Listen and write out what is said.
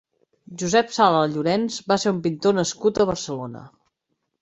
Josep Sala Llorens va ser un pintor nascut a Barcelona.